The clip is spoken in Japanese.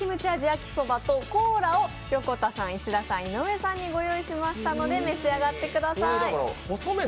焼そばとコーラを横田さん、石田さん井上さんにご用意しましたので召し上がってください。